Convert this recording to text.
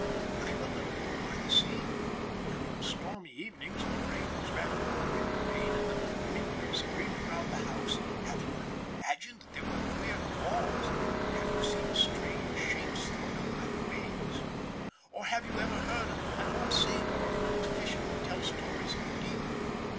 Have you ever lived by the sea? And on stormy evenings, when rain was rattling on the window pane, and the wind went screaming around the house, have you ever imagined there were queer calls, and have you seen strange shapes thrown up by the waves? Or have you ever heard an old sailor or an old fisherman tell stories of the deep?